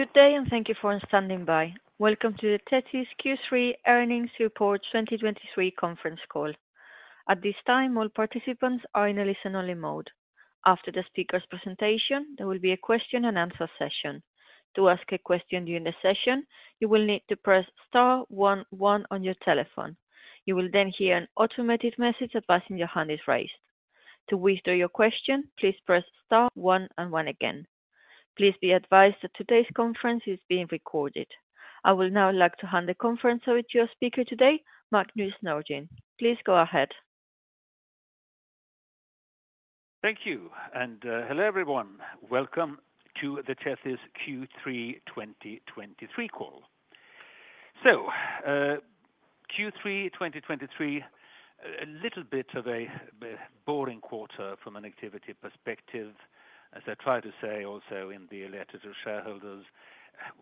Good day, and thank you for standing by. Welcome to the Tethys Q3 Earnings Report 2023 Conference Call. At this time, all participants are in a listen-only mode. After the speaker's presentation, there will be a question-and-answer session. To ask a question during the session, you will need to press star 1 1 on your telephone. You will then hear an automated message advising your hand is raised. To withdraw your question, please press star one and one again. Please be advised that today's conference is being recorded. I will now like to hand the conference over to your speaker today, Magnus Nordin. Please go ahead. Thank you, and, hello, everyone. Welcome to the Tethys Q3 2023 Call. So, Q3 2023 a little bit of a boring quarter from an activity perspective, as I tried to say also in the letter to shareholders.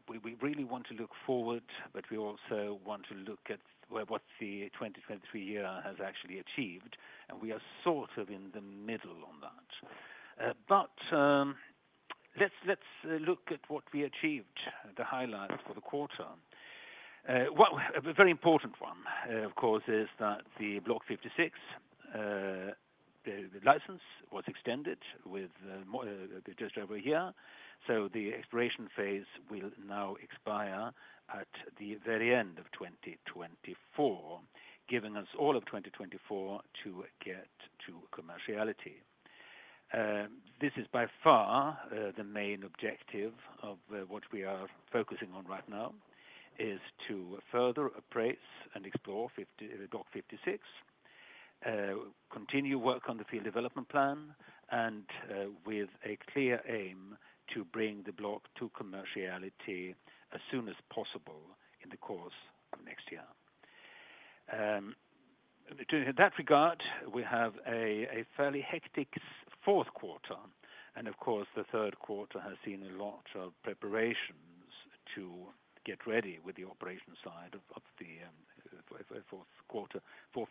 We really want to look forward, but we also want to look at what the 2023 year has actually achieved, and we are sort of in the middle on that. But let's look at what we achieved, the highlights for the quarter. Well, a very important one, of course, is that the Block 56, the license was extended with more, just over a year, so the exploration phase will now expire at the very end of 2024, giving us all of 2024 to get to commerciality. This is by far the main objective of what we are focusing on right now, is to further appraise and explore Block 56. Continue work on the field development plan and with a clear aim to bring the block to commerciality as soon as possible in the course of next year. In that regard, we have a fairly hectic fourth quarter, and of course, the third quarter has seen a lot of preparations to get ready with the operation side of the fourth quarter, Block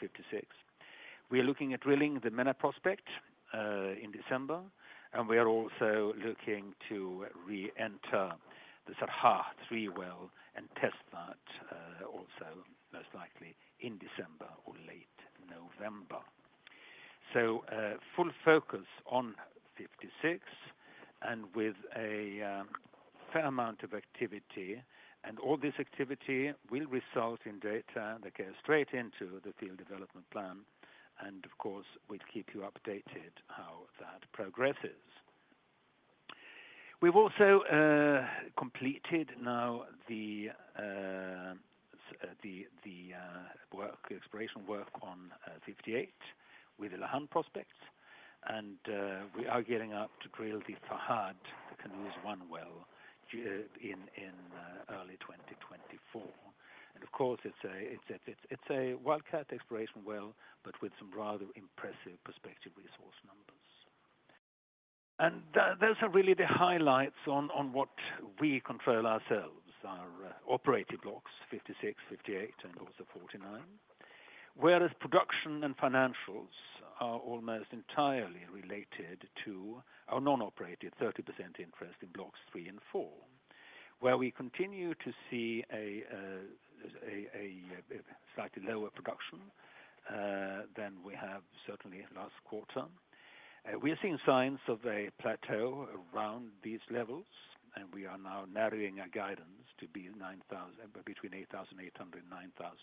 5, 6. We're looking at drilling the Menna prospect in December, and we are also looking to re-enter the Sarha-3 well and test that also most likely in December or late November. So, full focus on 56 and with a fair amount of activity, and all this activity will result in data that goes straight into the field development plan, and of course, we'll keep you updated how that progresses. We've also completed now the work, the exploration work on 58 with the Lahan prospects, and we are getting up to drill the Fahd, the Kunooz-1 well in early 2024. And of course, it's a wildcat exploration well, but with some rather impressive prospective resource numbers. And those are really the highlights on what we control ourselves, our operated blocks 56, 58 and also 49. Whereas production and financials are almost entirely related to our non-operated 30% interest in Blocks 3 & 4, where we continue to see a slightly lower production than we have certainly last quarter. We are seeing signs of a plateau around these levels, and we are now narrowing our guidance to be 9,000, but between 8,800 and 9,000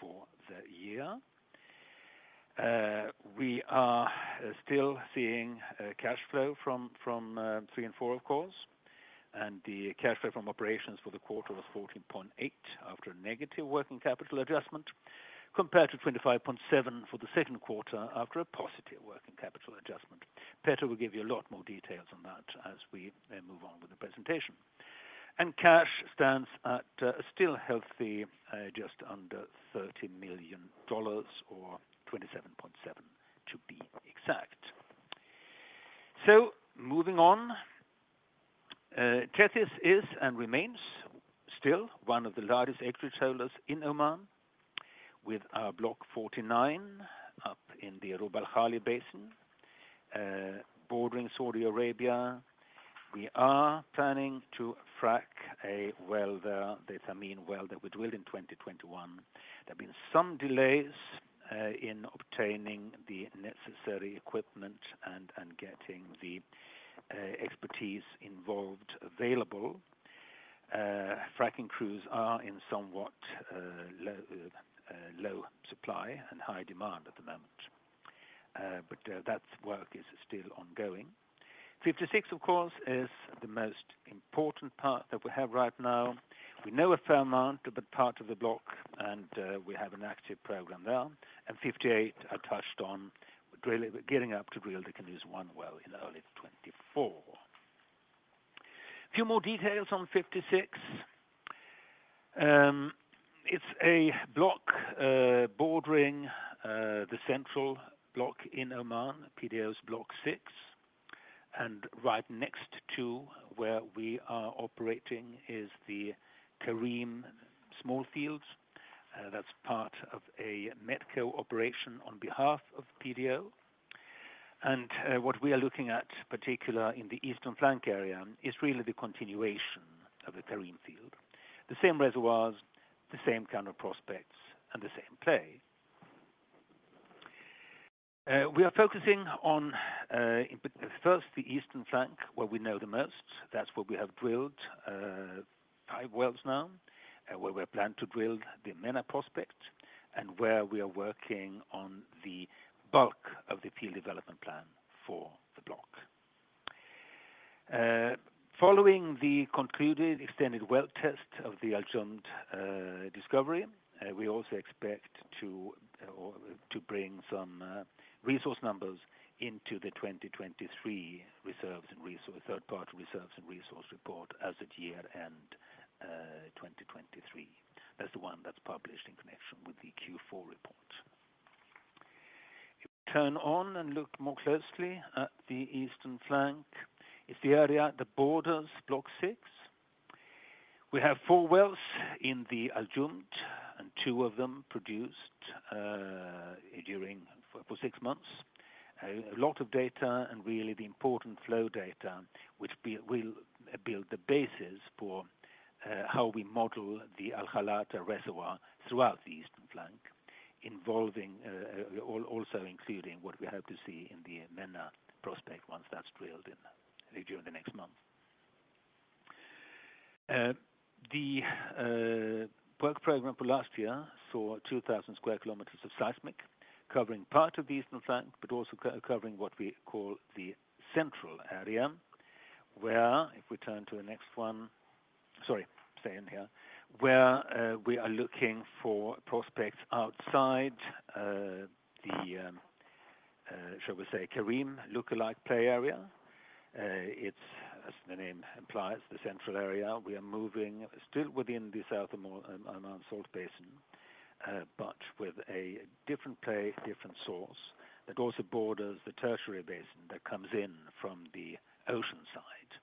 for the year. We are still seeing cash flow from 3 & 4, of course, and the cash flow from operations for the quarter was $14.8, after a negative working capital adjustment, compared to $25.7 for the second quarter after a positive working capital adjustment. Petter will give you a lot more details on that as we move on with the presentation. Cash stands at a still healthy just under $30 million, or $27.7 million to be exact. So moving on, Tethys is and remains still one of the largest equity holders in Oman with our Block 49 up in the Rub' al Khali basin, bordering Saudi Arabia. We are planning to frack a well there, the Thameen well, that we drilled in 2021. There have been some delays in obtaining the necessary equipment and getting the expertise involved. Fracking crews are in somewhat low supply and high demand at the moment, but that work is still ongoing. 56 of course, is the most important part that we have right now. We know a fair amount of the part of the block, and we have an active program there, and 58, I touched on, really getting up to really Kunooz-1 well in early 2024. A few more details on 56. It's a block bordering the central block in Oman, PDO's Block 6, and right next to where we are operating is the Karim Small Fields, that's part of a MedcoEnergi operation on behalf of PDO. What we are looking at, particularly in the eastern flank area, is really the continuation of the Karim field. The same reservoirs, the same kind of prospects, and the same play. We are focusing on, in particular, first, the eastern flank, where we know the most. That's what we have drilled, 5 wells now, and where we plan to drill the Menna prospect, and where we are working on the bulk of the field development plan for the block. Following the concluded extended well test of the Al Jumd discovery, we also expect to, or to bring some resource numbers into the 2023 reserves and resource, third-party reserves and resource report as of year-end 2023. That's the one that's published in connection with the Q4 report. Turn on and look more closely at the eastern flank. It's the area at the borders, Block 6. We have 4 wells in the Al Jumd, and 2 of them produced during, for, for 6 months. A lot of data and really the important flow data which we'll build the basis for how we model the Al Khlata reservoir throughout the eastern flank, involving also including what we hope to see in the Menna prospect once that's drilled in during the next month. The work program for last year saw 2,000 square kilometers of seismic covering part of the eastern flank, but also covering what we call the central area, where if we turn to the next one. Sorry, stay in here. Where we are looking for prospects outside the shall we say, Karim look-alike play area. It's, as the name implies, the central area. We are moving still within the South Oman Salt Basin, but with a different play, different source, that also borders the Tertiary Basin that comes in from the ocean side.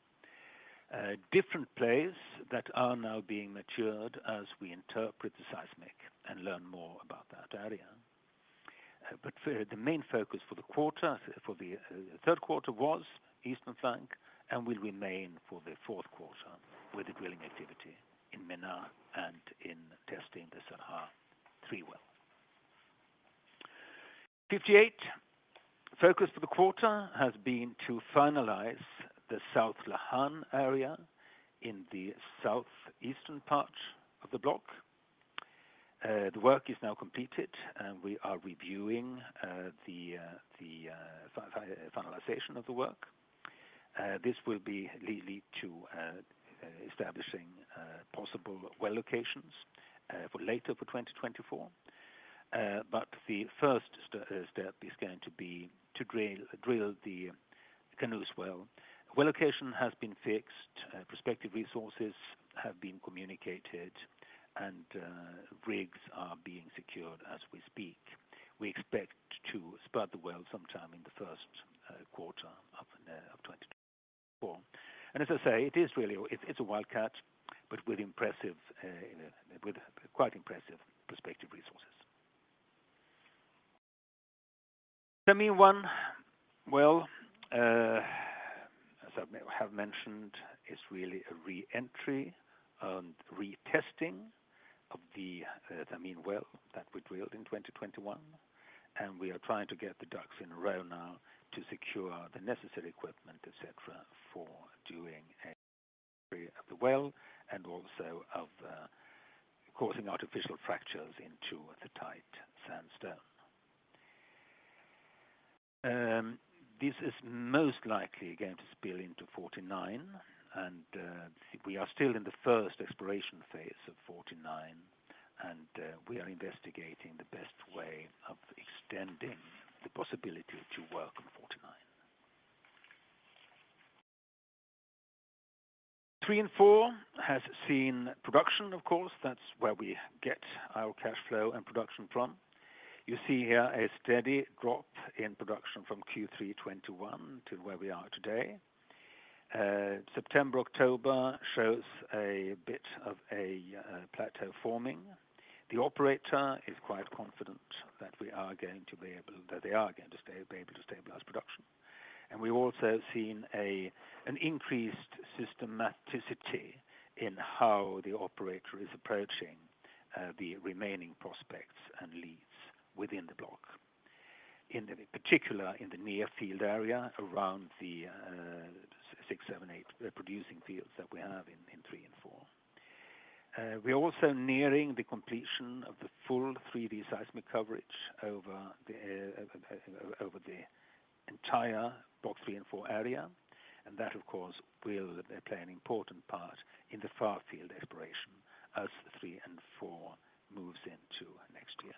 Different plays that are now being matured as we interpret the seismic and learn more about that area. But for the main focus for the quarter, for the third quarter, was eastern flank, and will remain for the fourth quarter, with the drilling activity in Menna and in testing the Sarha-3 well. Block 58, focus for the quarter has been to finalize the South Lahan area in the southeastern part of the block. The work is now completed, and we are reviewing the finalization of the work. This will lead to establishing possible well locations for later for 2024. But the first step is going to be to drill the Kunooz well. Well location has been fixed, prospective resources have been communicated, and rigs are being secured as we speak. We expect to spud the well sometime in the first quarter of 2024. As I say, it is really, it's a wildcat, but with impressive, with quite impressive prospective resources. Thameen-1, well, as I may have mentioned, is really a re-entry and retesting of the Thameen well that we drilled in 2021, and we are trying to get the ducks in a row now to secure the necessary equipment, et cetera, for doing a test of the well and also of causing artificial fractures into the tight sandstone. This is most likely going to spill into 49, and we are still in the first exploration phase of 49, and we are investigating the best way of extending the possibility to work on 49. 3 and 4 has seen production, of course, that's where we get our cash flow and production from. You see here a steady drop in production from Q3 2021 to where we are today. September, October shows a bit of a plateau forming. The operator is quite confident that we are going to be able, that they are going to be able to stabilize production. And we've also seen an increased systematicity in how the operator is approaching the remaining prospects and leads within the block. In particular, in the near field area, around the 6, 7, 8 producing fields that we have in 3 and 4. We're also nearing the completion of the full 3 D seismic coverage over the entire Block 3 and 4 area, and that, of course, will play an important part in the far field exploration as the 3 and 4 moves into next year.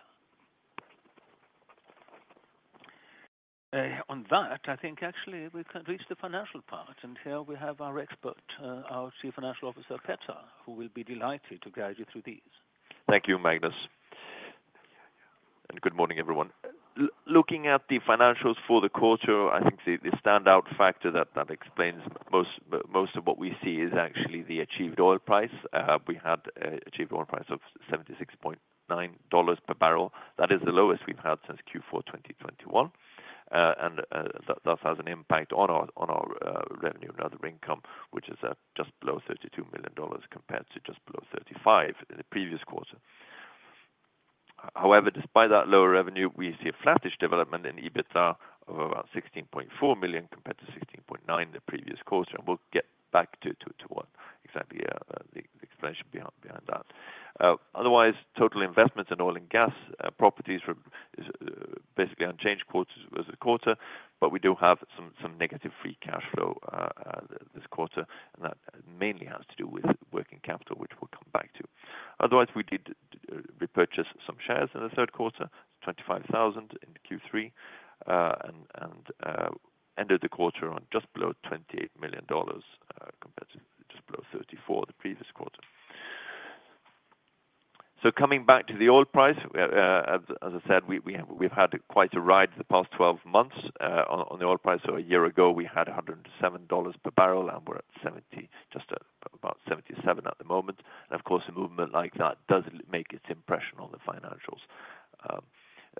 On that, I think actually we can reach the financial part, and here we have our expert, our Chief Financial Officer, Petter, who will be delighted to guide you through these. Thank you, Magnus. Good morning, everyone. Looking at the financials for the quarter, I think the standout factor that explains most of what we see is actually the achieved oil price. We had achieved oil price of $76.90 per barrel. That is the lowest we've had since Q4 2021. And thus has an impact on our revenue and other income, which is just below $32 million, compared to just below $35million in the previous quarter. However, despite that lower revenue, we see a flattish development in EBITDA of about $16.4 million, compared to $16.9 million the previous quarter, and we'll get back to what exactly the explanation behind that. Otherwise, total investments in oil and gas properties is basically unchanged quarters as the quarter, but we do have some negative free cash flow this quarter, and that mainly has to do with working capital, which we'll come back to. Otherwise, we did repurchase some shares in the third quarter, 25,000 in Q3, and ended the quarter on just below $28 million compared to just below $34 the previous quarter. So coming back to the oil price, as I said, we've had quite a ride the past 12 months on the oil price. So a year ago, we had $107 per barrel, and we're at $70, just about $77 at the moment. And of course, a movement like that does make its impression on the financials.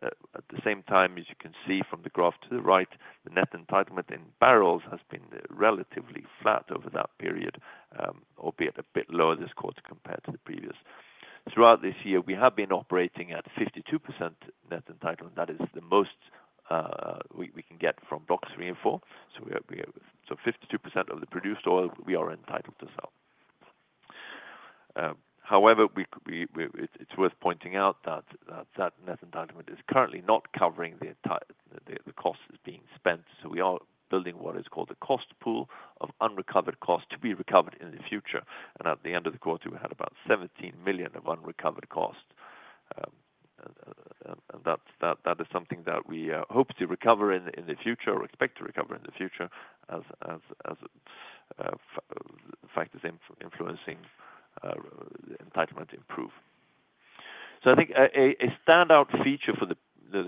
At the same time, as you can see from the graph to the right, the net entitlement in barrels has been relatively flat over that period, albeit a bit lower this quarter compared to the previous. Throughout this year, we have been operating at 52% net entitlement. That is the most we can get from blocks 3 and 4, so we are. So 52% of the produced oil, we are entitled to sell. However, it's worth pointing out that that net entitlement is currently not covering the entire costs being spent, so we are building what is called a cost pool of unrecovered costs to be recovered in the future. At the end of the quarter, we had about $17 million of unrecovered costs. And that is something that we hope to recover in the future, or expect to recover in the future as factors influencing entitlement improve. So I think a standout feature for the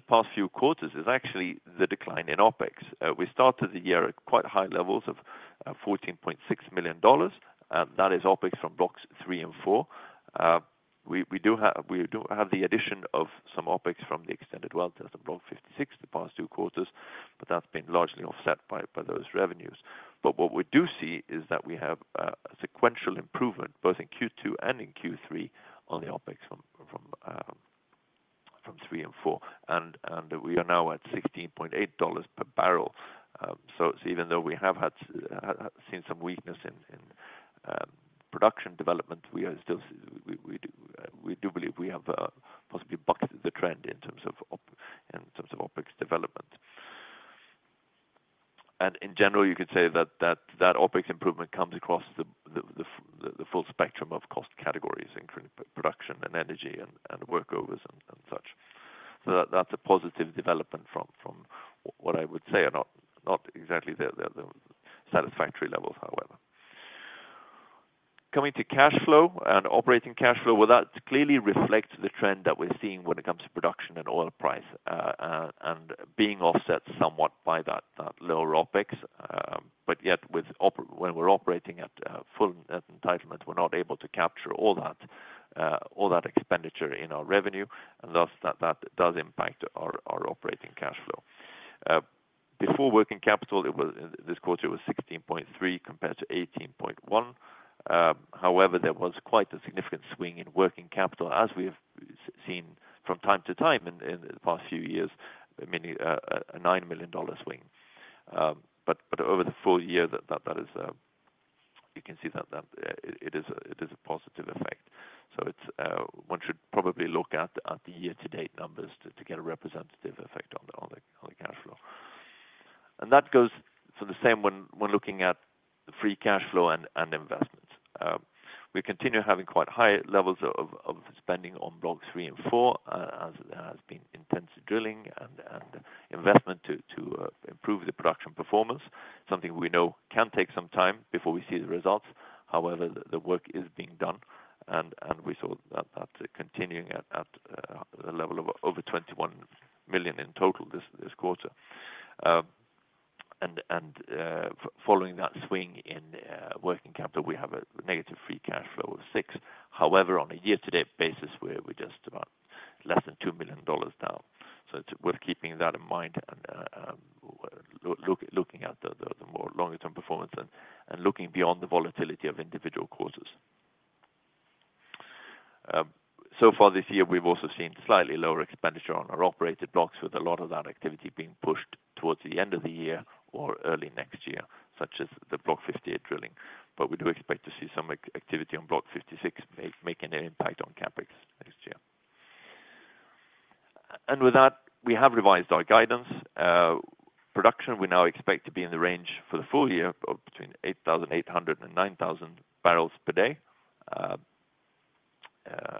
past few quarters is actually the decline in OpEx. We started the year at quite high levels of $14.6 million, and that is OpEx from Block 3 and 4. We do have the addition of some OpEx from the extended well test on Block 56 the past 2 quarters, but that's been largely offset by those revenues. But what we do see is that we have a sequential improvement, both in Q2 and in Q3, on the OpEx from Block 3 and 4. We are now at $16.80 per barrel, so even though we have had seen some weakness in production development, we still do believe we have possibly bucked the trend in terms of OpEx development. And in general, you could say that OpEx improvement comes across the full spectrum of cost categories, including production and energy and workovers and such. So that's a positive development from what I would say are not exactly the satisfactory levels, however. Coming to cash flow and operating cash flow, well, that clearly reflects the trend that we're seeing when it comes to production and oil price and being offset somewhat by that lower OpEx, but yet when we're operating at full entitlement, we're not able to capture all that expenditure in our revenue, and thus that does impact our operating cash flow. Before working capital, it was this quarter $16.3 compared to $18.1. However, there was quite a significant swing in working capital, as we have seen from time to time in the past few years, mainly a $9 million swing. But over the full year, that is, you can see that it is a positive effect. So it's one should probably look at the year-to-date numbers to get a representative effect on the cash flow. And that goes for the same when looking at the free cash flow and investments. We continue having quite high levels of spending on blocks 3 and 4, as there has been intense drilling and investment to improve the production performance, something we know can take some time before we see the results. However, the work is being done, and we saw that continuing at a level of over $21 million in total this quarter. And following that swing in working capital, we have a negative free cash flow of $6 million. However, on a year-to-date basis, we're just about less than $2 million down. So it's worth keeping that in mind and, looking at the more longer-term performance and looking beyond the volatility of individual quarters. So far this year, we've also seen slightly lower expenditure on our operated blocks, with a lot of that activity being pushed towards the end of the year or early next year, such as the Block 58 drilling. But we do expect to see some activity on Block 56 making an impact on CapEx next year. And with that, we have revised our guidance. Production, we now expect to be in the range for the full year of between 8,800 and 9,000 barrels per day,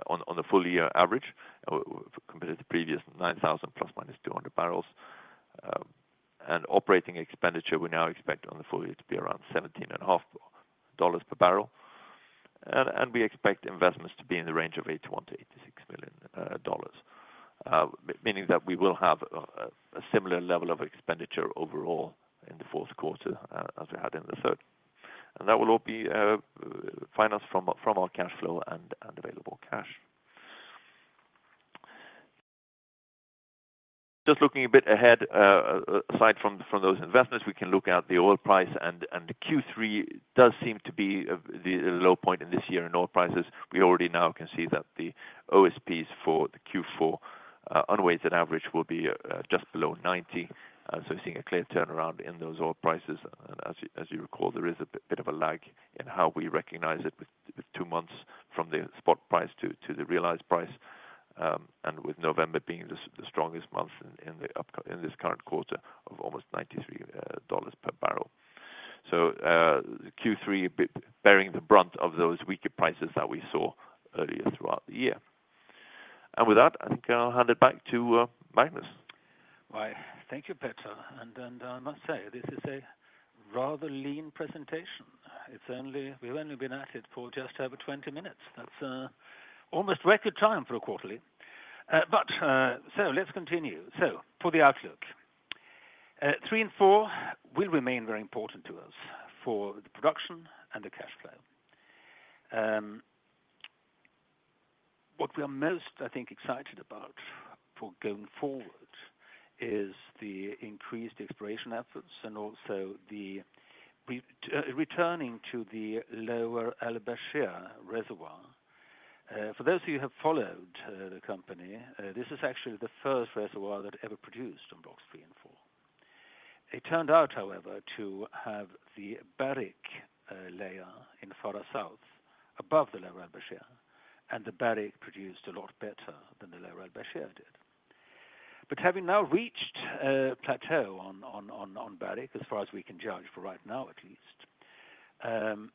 on the full year average, compared to the previous 9,000 ± 20000 barrels. Operating expenditure, we now expect on the full year to be around $17.50 per barrel. We expect investments to be in the range of $81 million-$86 million. Meaning that we will have a similar level of expenditure overall in the fourth quarter as we had in the third. And that will all be financed from our cash flow and available cash. Just looking a bit ahead, aside from those investments, we can look at the oil price and the Q3 does seem to be the low point in this year in oil prices. We already now can see that the OSPs for the Q4 unweighted average will be just below $90. So we're seeing a clear turnaround in those oil prices. As you recall, there is a bit of a lag in how we recognize it with 2 months from the spot price to the realized price. And with November being the strongest month in this current quarter of almost $93 per barrel. So, Q3, bearing the brunt of those weaker prices that we saw earlier throughout the year. And with that, I think I'll hand it back to Magnus. Why, thank you, Petter. I must say, this is a rather lean presentation. It's only we've only been at it for just over 20 minutes. That's almost record time for a quarterly. So let's continue. So for the outlook, Blocks 3 and 4 will remain very important to us for the production and the cash flow. What we are most, I think, excited about for going forward is the increased exploration efforts and also the returning to the Lower Al Bashair reservoir. For those of you who have followed the company, this is actually the first reservoir that ever produced on Blocks three and four. It turned out, however, to have the Barik layer in farther south above the Lower Al Bashair, and the Barik produced a lot better than the Lower Al Bashair did. But having now reached a plateau on Barik, as far as we can judge for right now, at least,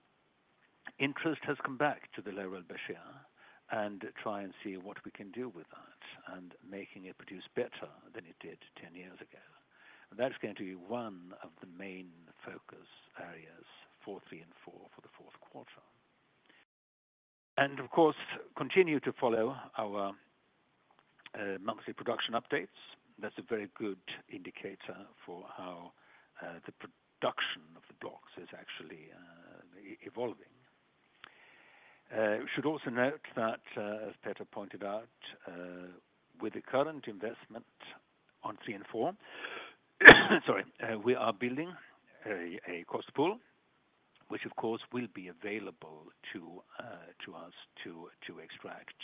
interest has come back to the Lower Al Bashair and try and see what we can do with that, and making it produce better than it did 10 years ago. That's going to be one of the main focus areas for 3 and 4 for the fourth quarter. Of course, continue to follow our monthly production updates. That's a very good indicator for how the production of the blocks is actually evolving. Should also note that, as Petter pointed out, with the current investment on three and four, sorry, we are building a cost pool, which of course, will be available to us to extract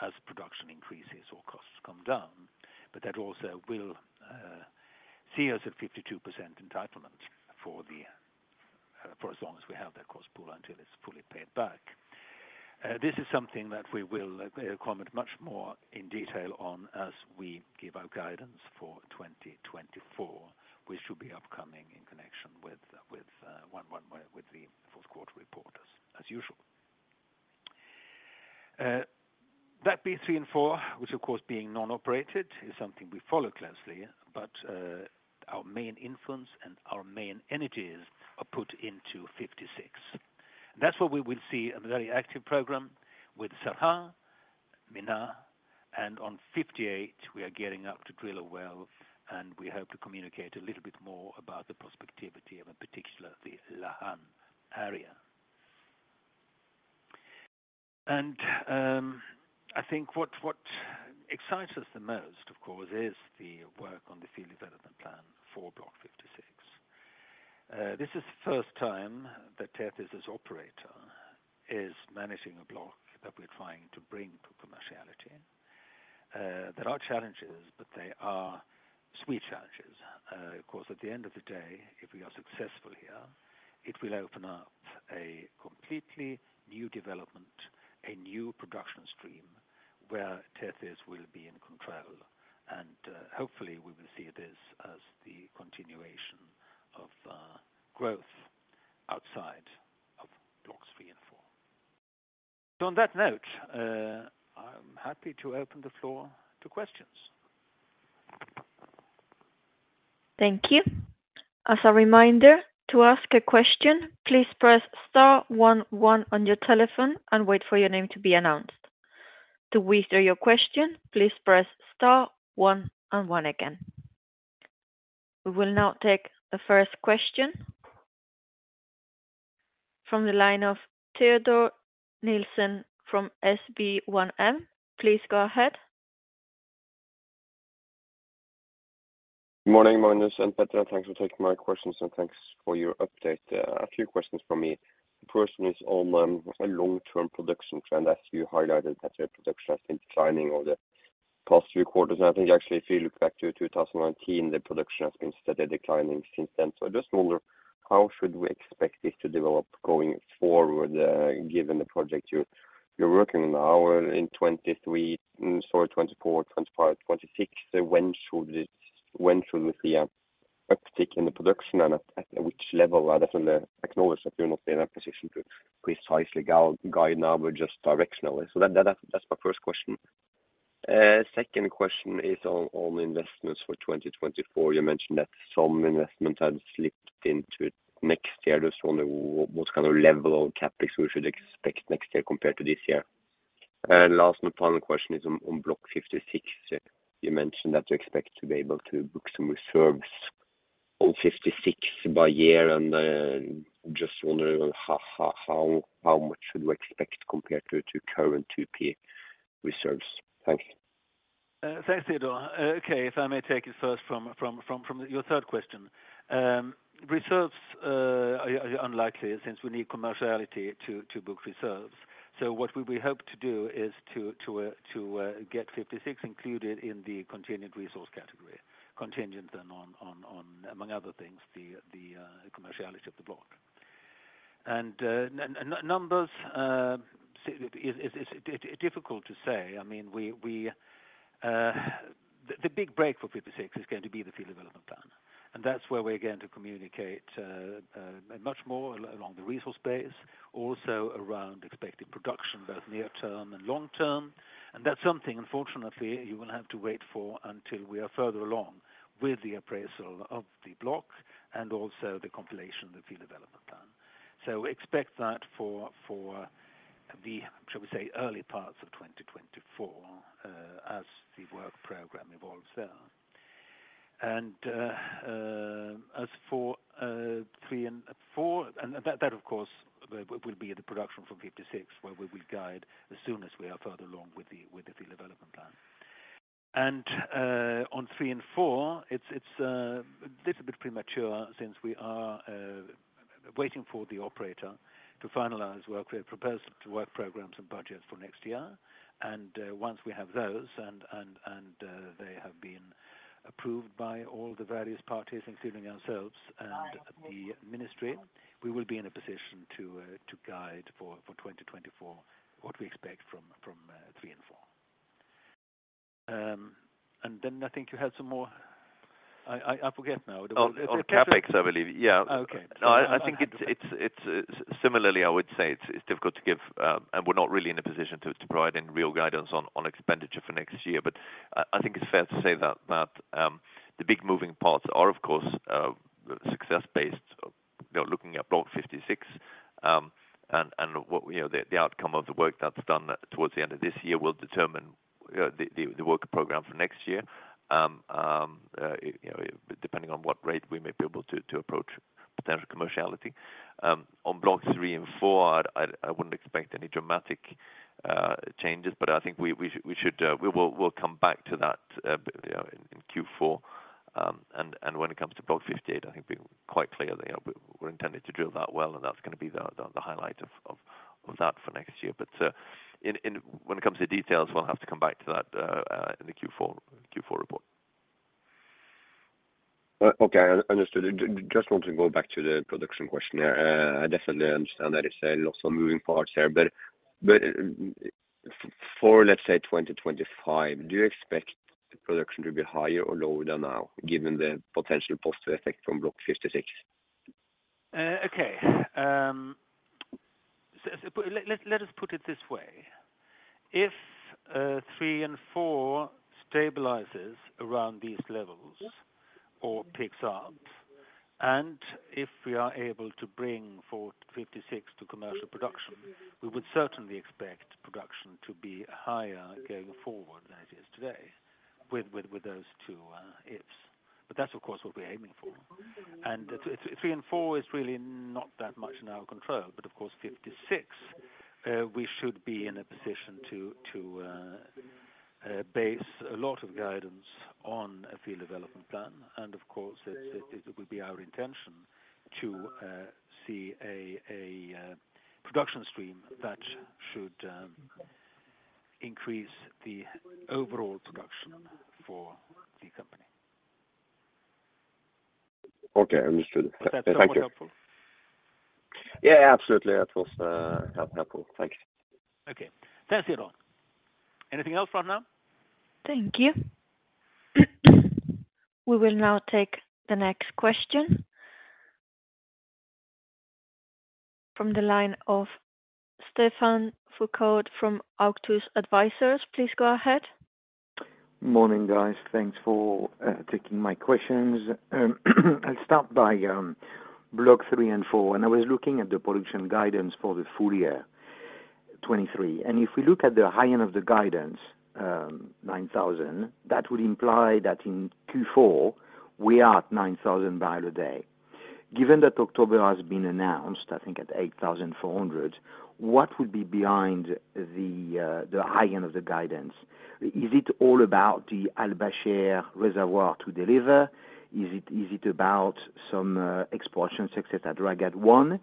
as production increases or costs come down. But that also will see us at 52% entitlement for as long as we have that cost pool until it's fully paid back. This is something that we will comment much more in detail on as we give our guidance for 2024, which should be upcoming in connection with the fourth quarter report as usual. That being three and four, which of course being non-operated, is something we follow closely, but our main influence and our main energies are put into 56. That's where we will see a very active program with Sarha, Menna, and on 58, we are gearing up to drill a well, and we hope to communicate a little bit more about the prospectivity of a particular, the Lahan area. I think what excites us the most, of course, is the work on the Field Development Plan for Block 56. This is the first time that Tethys as operator is managing a block that we're trying to bring to commerciality. There are challenges, but they are sweet challenges. Of course, at the end of the day, if we are successful here, it will open up a completely new development, a new production stream, where Tethys will be in control. And, hopefully, we will see this as the continuation of growth outside of Blocks three and four. So on that note, I'm happy to open the floor to questions. Thank you. As a reminder, to ask a question, please press star one one on your telephone and wait for your name to be announced. To withdraw your question, please press star one and one again. We will now take the first question from the line of Teodor Sveen-Nilsen from SpareBank 1 Markets. Please go ahead. Good morning, Magnus and Petter, and thanks for taking my questions, and thanks for your update. A few questions from me. The first one is on a long-term production trend. As you highlighted, that your production has been declining over the past three quarters. And I think actually, if you look back to 2019, the production has been steadily declining since then. So I just wonder, how should we expect this to develop going forward, given the project you're working on now in 2023, sorry, 2024, 2025, 2026? When should we see an uptick in the production, and at which level? I definitely acknowledge that you're not in a position to precisely guide now, but just directionally. That's my first question. Second question is on investments for 2024. You mentioned that some investments had slipped into next year. Just wonder what kind of level of CapEx we should expect next year compared to this year? And last and final question is on Block 56. You mentioned that you expect to be able to book some reserves on 56 by year, and just wondering how much should we expect compared to current 2P reserves? Thank you. Thanks, Teodor. Okay, if I may take it first from your third question. Reserves are unlikely since we need commerciality to book reserves. So what we hope to do is to get 56 included in the contingent resource category, contingent and, among other things, the commerciality of the Block. And numbers, it's difficult to say. I mean, the big break for 56 is going to be the Field Development Plan, and that's where we're going to communicate much more along the resource base, also around expected production, both near term and long term. That's something, unfortunately, you will have to wait for until we are further along with the appraisal of the block and also the compilation of the development plan. So expect that for the, shall we say, early parts of 2024, as the work program evolves there. As for 3 and 4, and that, that, of course, will be the production for 56, where we will guide as soon as we are further along with the field development plan. On three and four, it's a little bit premature since we are waiting for the operator to finalize work. We have proposed to work programs and budgets for next year, and once we have those and they have been approved by all the various parties, including ourselves and the ministry, we will be in a position to guide for 2024, what we expect from three and four. And then I think you had some more, I forget now- On CapEx, I believe. Yeah. Okay. No, I think it's similarly, I would say it's difficult to give, and we're not really in a position to provide any real guidance on expenditure for next year. But I think it's fair to say that the big moving parts are, of course, success-based. We are looking at Block 56, and what, you know, the outcome of the work that's done towards the end of this year will determine the work program for next year. You know, depending on what rate we may be able to approach potential commerciality. On Blocks three and four, I wouldn't expect any dramatic changes, but I think we should, we'll come back to that, you know, in Q4. When it comes to Block 58, I think we're quite clear, you know, we're intending to drill that well, and that's gonna be the highlight of that for next year. But when it comes to details, we'll have to come back to that in the Q4 report. Okay, understood. Just want to go back to the production question there. I definitely understand that it's a lot of moving parts there, but for, let's say, 2025, do you expect the production to be higher or lower than now, given the potential positive effect from Block 56? Let us put it this way. If three and four stabilizes around these levels or picks up, and if we are able to bring 56 to commercial production, we would certainly expect production to be higher going forward than it is today, with those 2 ifs. But that's, of course, what we're aiming for. And three and four is really not that much in our control, but of course, 56, we should be in a position to base a lot of guidance on a field development plan. And of course, it will be our intention to see a production stream that should increase the overall production for the company. Okay, understood. Thank you. Is that more helpful? Yeah, absolutely. That was helpful. Thank you. Okay. Thanks, Teodor. Anything else for now? Thank you. We will now take the next question from the line of Stephane Foucaud from Auctus Advisors. Please go ahead. Morning, guys. Thanks for taking my questions. I'll start by Block 3 & 4, and I was looking at the production guidance for the full year 2023. And if we look at the high end of the guidance, 9,000, that would imply that in Q4, we are at 9,000 barrels a day. Given that October has been announced, I think at 8,400, what would be behind the high end of the guidance? Is it all about the Al Bashair reservoir to deliver? Is it about some exploration success at Raghad-1?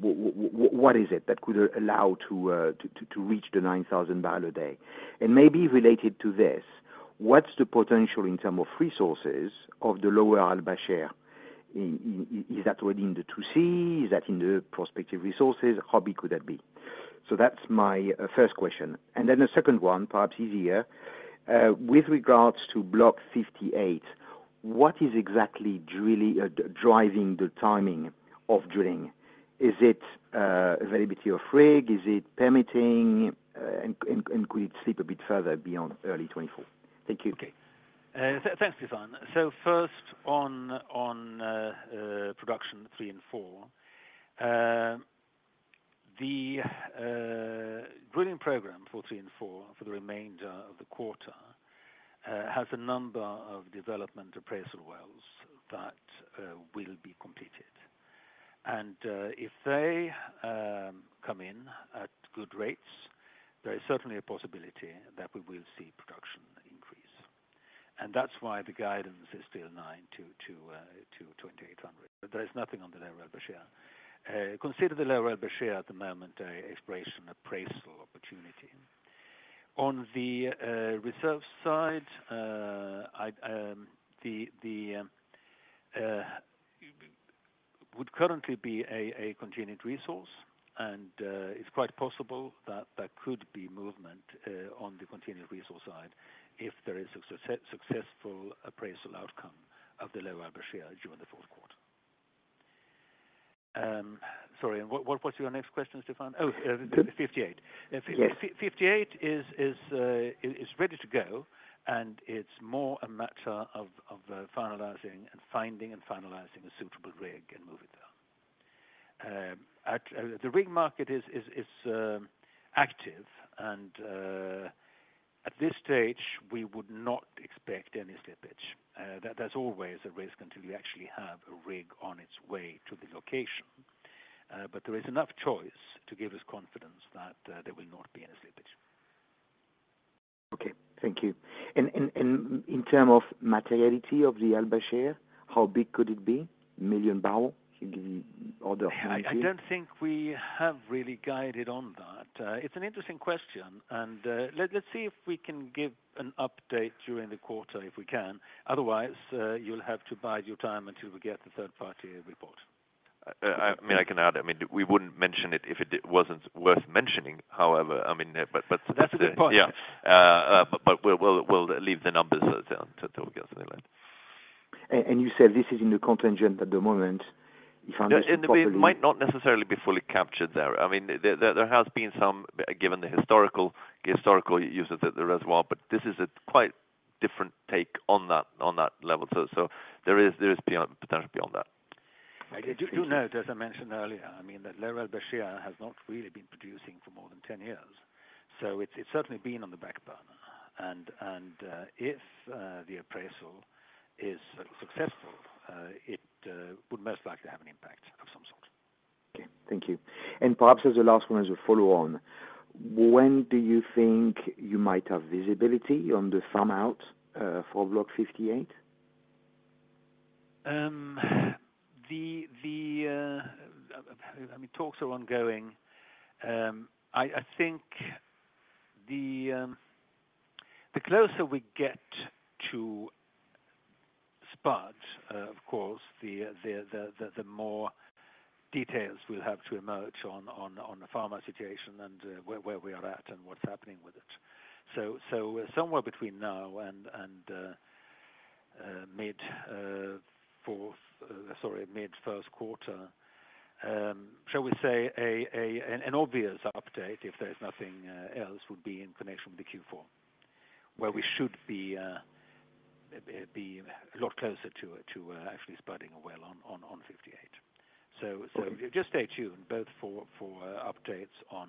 What is it that could allow to reach the 9,000 barrels a day? And maybe related to this, what's the potential in terms of resources of the lower Al Bashair? Is that already in the 2C, is that in the prospective resources? How big could that be? So that's my first question. And then the second one, perhaps easier, with regards to Block 58, what is exactly driving the timing of drilling? Is it availability of rig? Is it permitting, and could it slip a bit further beyond early 2024? Thank you. Okay. Thanks, Stephane. So first on production 3 and 4, the drilling program for 3 and 4 for the remainder of the quarter has a number of development appraisal wells that will be completed. And if they come in at good rates, there is certainly a possibility that we will see production increase. And that's why the guidance is still 900-2,800. But there is nothing on the Al Bashair. Consider the Al Bashair at the moment an exploration appraisal opportunity. On the reserve side, it would currently be a contingent resource, and it's quite possible that there could be movement on the contingent resource side if there is a successful appraisal outcome of the lower Al Bashair during the fourth quarter. Sorry, and what's your next question, Stéphane? Oh, 58. Yes. Block 58 is ready to go, and it's more a matter of finalizing and finding and finalizing a suitable rig and moving down. The rig market is active, and at this stage, we would not expect any slippage. There's always a risk until you actually have a rig on its way to the location, but there is enough choice to give us confidence that there will not be any slippage. Okay, thank you. In terms of materiality of the Al Bashair, how big could it be? Million barrel, can give me order of magnitude? I don't think we have really guided on that. It's an interesting question, and let's see if we can give an update during the quarter, if we can. Otherwise, you'll have to bide your time until we get the third-party report. I mean, I mean, we wouldn't mention it if it wasn't worth mentioning, however, I mean, but, but- That's a good point. Yeah, but we'll leave the numbers until we get something then. And you said this is in the contingent at the moment, if I understand properly? It might not necessarily be fully captured there. I mean, there has been some, given the historical uses of the reservoir, but this is a quite different take on that level. So there is potential beyond that. You do note, as I mentioned earlier, I mean, that lower Al Bashair has not really been producing for more than 10 years, so it's certainly been on the back burner. And if the appraisal is successful, it would most likely have an impact of some sort. Okay, thank you. Perhaps as the last one, as a follow on, when do you think you might have visibility on the farm-out for Block 58? I mean, talks are ongoing. I think the closer we get to spud, of course, the more details we'll have to emerge on the farm-out situation and where we are at, and what's happening with it. So somewhere between now and mid-first quarter, shall we say, an obvious update, if there's nothing else, would be in connection with the Q4, where we should be a lot closer to actually spudding a well on 58. So just stay tuned both for updates on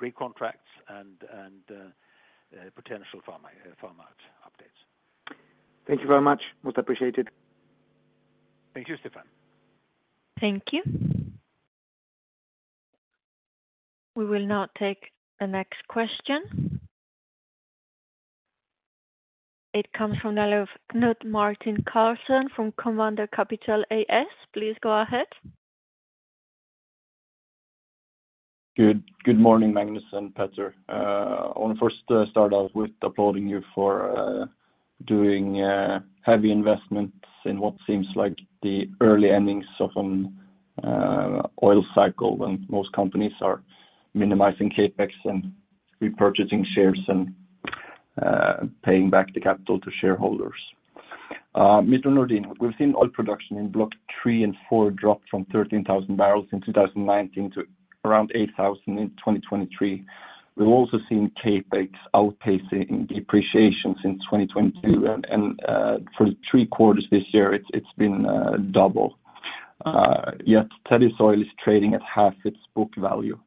rig contracts and potential farm-out updates. Thank you very much. Much appreciated. Thank you, Stephane Foucaud. Thank you. We will now take the next question. It comes from Knut Martin Carlsen, from Comenda Capital AS. Please go ahead. Good. Good morning, Magnus and Petter. I wanna first start off with applauding you for doing heavy investments in what seems like the early innings of oil cycle, when most companies are minimizing CapEx and repurchasing shares and paying back the capital to shareholders. Magnus Nordin, we've seen oil production in Block 3 and 4 drop from 13,000 barrels in 2019 to around 8,000 in 2023. We've also seen CapEx outpacing depreciation since 2022, and for 3 quarters this year, it's been double. Yet Tethys Oil is trading at half its book value.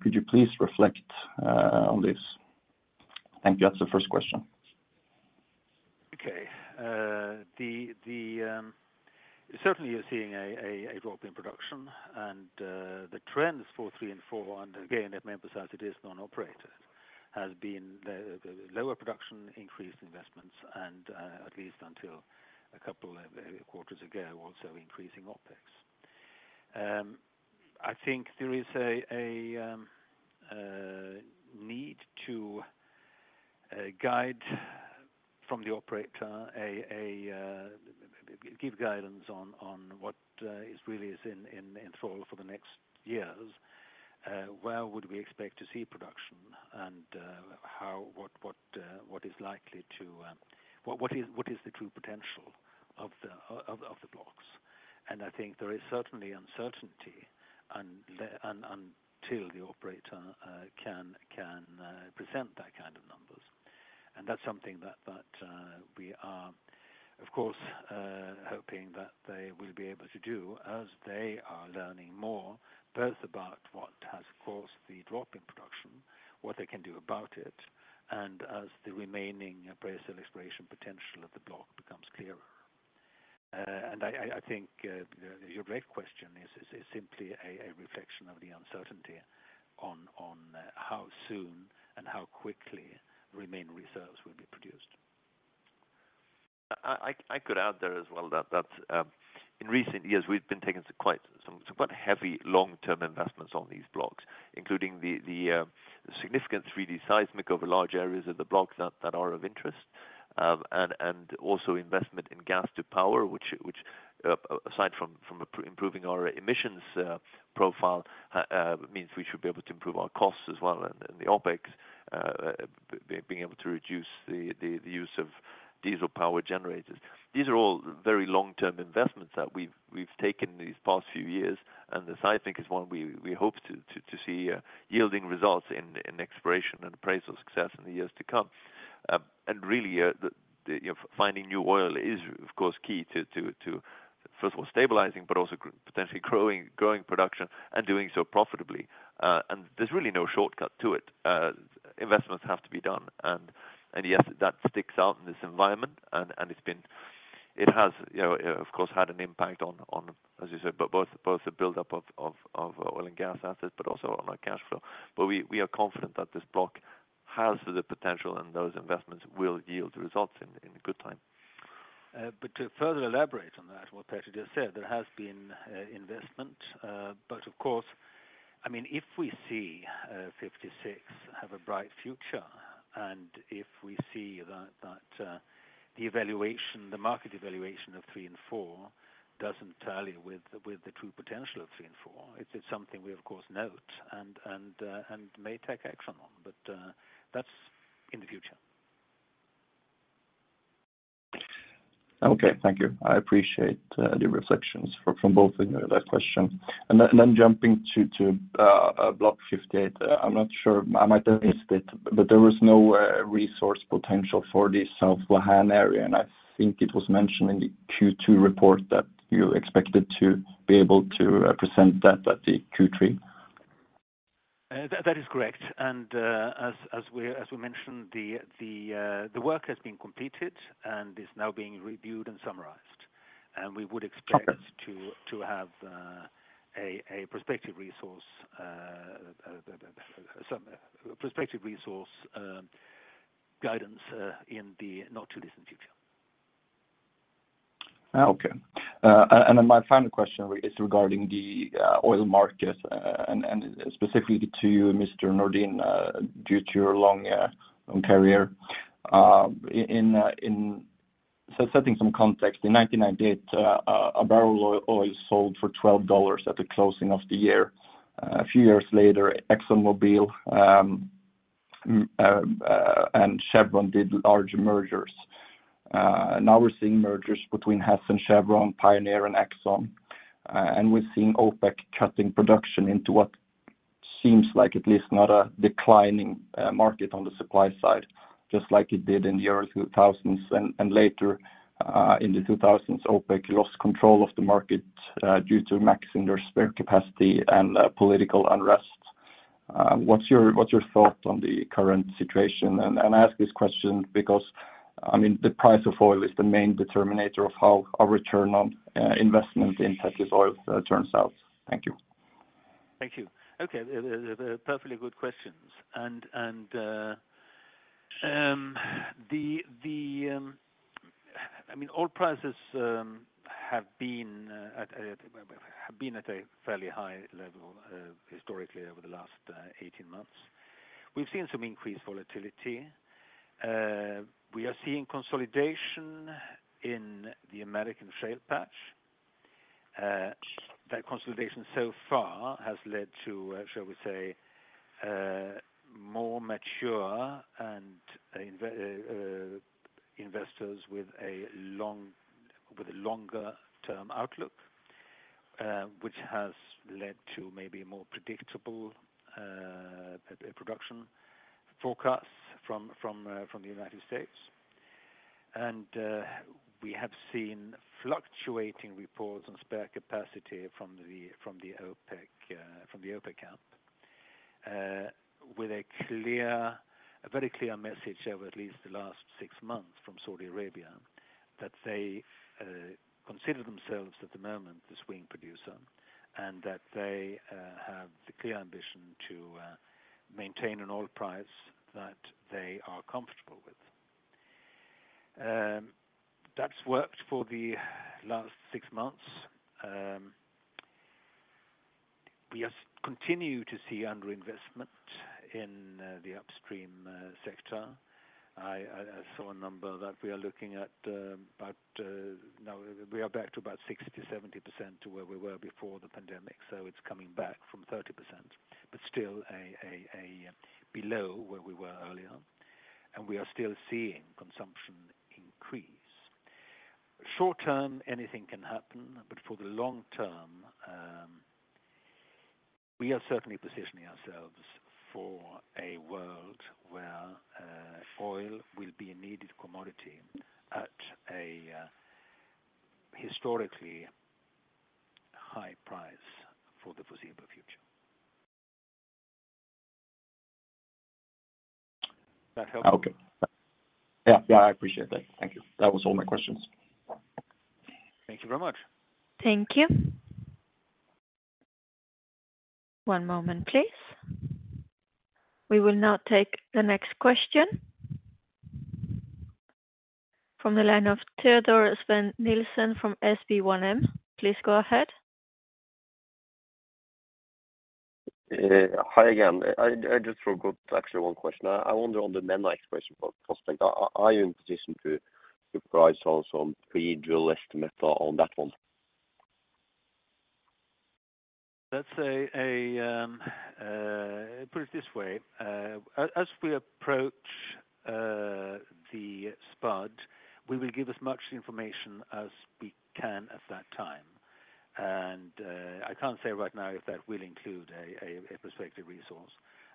Could you please reflect on this? Thank you. That's the first question. Okay. Certainly you're seeing a drop in production and the trends for 3 and 4, and again, let me emphasize, it is non-operated, has been the lower production, increased investments, and at least until a couple of quarters ago, also increasing OpEx. I think there is a need to guide from the operator, give guidance on what is really in store for the next years, where would we expect to see production? And how, what is likely to, what is the true potential of the blocks? And I think there is certainly uncertainty until the operator can present that kind of numbers. And that's something that we are, of course, hoping that they will be able to do, as they are learning more, both about what has caused the drop in production, what they can do about it, and as the remaining appraisal exploration potential of the block becomes clearer. I think your great question is simply a reflection of the uncertainty on how soon and how quickly remaining reserves will be produced. I could add there as well, that in recent years, we've been taking some quite heavy long-term investments on these blocks, including the significant 3D seismic over large areas of the blocks that are of interest. And also investment in gas to power, which aside from improving our emissions profile means we should be able to improve our costs as well, and the OpEx, being able to reduce the use of diesel power generators. These are all very long-term investments that we've taken these past few years, and this, I think, is one we hope to see yielding results in exploration and appraisal success in the years to come. And really, you know, finding new oil is, of course, key to first of all stabilizing, but also potentially growing production and doing so profitably. And there's really no shortcut to it. Investments have to be done, and yes, that sticks out in this environment, and it's been. It has, you know, of course, had an impact on, as you said, both the buildup of oil and gas assets, but also on our cash flow. But we are confident that this block has the potential, and those investments will yield results in good time. But to further elaborate on that, what Peter just said, there has been investment. But of course, I mean, if we see 56 have a bright future, and if we see that, that the evaluation, the market evaluation of 3 and 4 doesn't tally with the true potential of 3 and 4, it's something we, of course, note and may take action on. But that's in the future. Okay. Thank you. I appreciate the reflections from both of you on that question. And then jumping to Block 58. I'm not sure, I might have missed it, but there was no resource potential for the South Lahan area, and I think it was mentioned in the Q2 report that you expected to be able to present that at the Q3. That is correct. And, as we mentioned, the work has been completed and is now being reviewed and summarized. And we would expect- Okay... to have a prospective resource, some prospective resource guidance in the not too distant future. Okay. And then my final question is regarding the oil market, and specifically to you, Mr. Nordin, due to your long career. So setting some context, in 1998, a barrel of oil sold for $12 at the closing of the year. A few years later, ExxonMobil and Chevron did large mergers. Now we're seeing mergers between Hess and Chevron, Pioneer and Exxon, and we're seeing OPEC cutting production into what seems like at least not a declining market on the supply side, just like it did in the early 2000s. Later in the 2000s, OPEC lost control of the market due to maxing their spare capacity and political unrest. What's your thought on the current situation? I ask this question because, I mean, the price of oil is the main determinant of how our return on investment in Tethys Oil turns out. Thank you. Thank you. Okay, they're perfectly good questions. I mean, oil prices have been at a fairly high level, historically, over the last 18 months. We've seen some increased volatility. We are seeing consolidation in the American shale patch. That consolidation so far has led to, shall we say, more mature investors with a longer term outlook, which has led to maybe more predictable production forecasts from the United States. We have seen fluctuating reports on spare capacity from the OPEC camp. With a clear, a very clear message over at least the last 6 months from Saudi Arabia, that they consider themselves, at the moment, the swing producer, and that they have the clear ambition to maintain an oil price that they are comfortable with. That's worked for the last 6 months. We are continue to see underinvestment in the upstream sector. I saw a number that we are looking at, about, now we are back to about 60%-70% to where we were before the pandemic. So it's coming back from 30%, but still a below where we were earlier, and we are still seeing consumption increase. Short term, anything can happen, but for the long term, we are certainly positioning ourselves for a world where oil will be a needed commodity at a historically high price for the foreseeable future. That help? Okay. Yeah, yeah, I appreciate that. Thank you. That was all my questions. Thank you very much. Thank you. One moment, please. We will now take the next question from the line of Teodor Sveen-Nilsen from SpareBank 1 Markets. Please go ahead. Hi again. I just forgot to ask you one question. I wonder on the Menna exploration prospect, are you in position to provide us some pre-drill estimate on that one? Let's say, put it this way, as we approach the spud, we will give as much information as we can at that time. I can't say right now if that will include a prospective resource,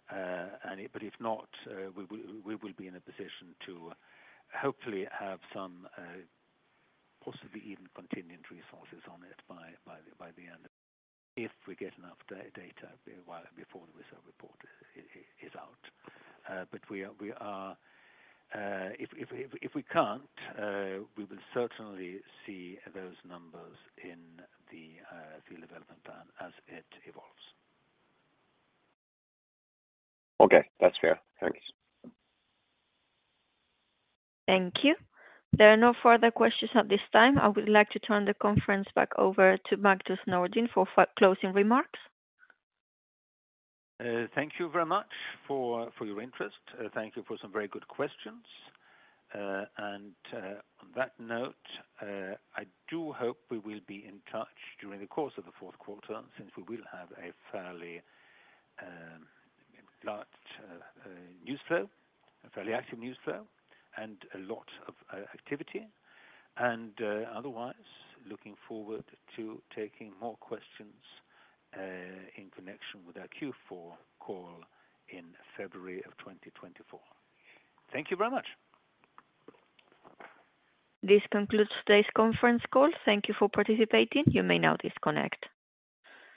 but if not, we will be in a position to hopefully have some, possibly even contingent resources on it by the end, if we get enough data a while before the reserve report is out. If we can't, we will certainly see those numbers in the field development plan as it evolves. Okay. That's fair. Thanks. Thank you. There are no further questions at this time. I would like to turn the conference back over to Magnus Nordin for closing remarks. Thank you very much for your interest. Thank you for some very good questions. On that note, I do hope we will be in touch during the course of the fourth quarter, since we will have a fairly large news flow, a fairly active news flow, and a lot of activity. Otherwise, looking forward to taking more questions in connection with our Q4 call in February of 2024. Thank you very much. This concludes today's conference call. Thank you for participating. You may now disconnect.